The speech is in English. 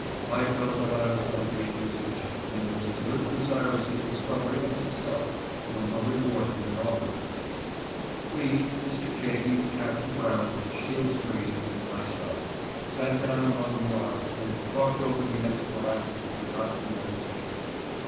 I felt that I was on a dangerous mission, and was as little desirous of discov ery as himself, though no reward had been offered for me. We — Mr. Kagi, Captain Brown, Shields Green, and myself — sat down among the rocks and talked over the enterprise which was about to be undertaken.